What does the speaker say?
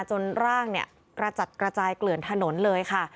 จนร่างเนี่ยกระจัดกระจายเกลื่อนถนนเลยค่ะ